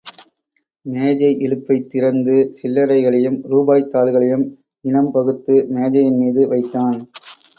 மேஜை இழுப்பைத் திறந்து சில்லறைகளையும் ரூபாய்த் தாள்களையும் இனம் பகுத்து மேஜையின் மீது வைத்தான்.